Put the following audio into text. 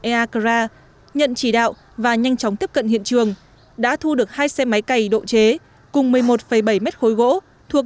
eakra nhận chỉ đạo và nhanh chóng tiếp cận hiện trường đã thu được hai xe máy cày độ chế cùng một mươi một bảy mét khối gỗ thuộc